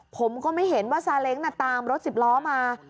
ผมก็ไม่เห็นว่าซาเล้งตามรถสิบล้อมา